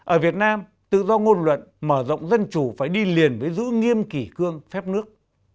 ở việt nam tự do ngôn luận mở rộng dân chủ phải đi liền với giữ nghiêm kỷ cương phép nước